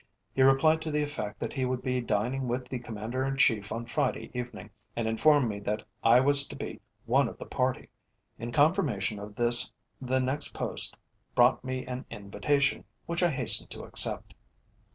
He replied to the effect that he would be dining with the Commander in Chief on Friday evening, and informed me that I was to be one of the party. In confirmation of this the next post brought me an invitation which I hastened to accept.